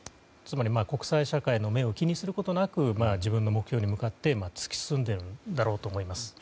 つまり国際社会の目を気にすることなく自分の目標に向かって突き進んでいるんだと思います。